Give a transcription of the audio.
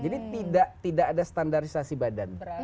jadi tidak ada standarisasi badan